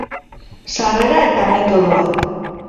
Sarrera eta metodoak.